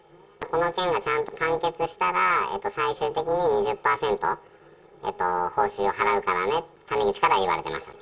この件がちゃんと完結したら、最終的に２０％、報酬払うからね、谷口から言われてました。